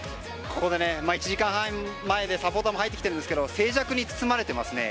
ここで１時間半前なのでサポーターも入ってきているんですが静寂に包まれています。